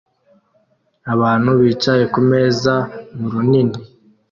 Abantu bicaye kumeza murinini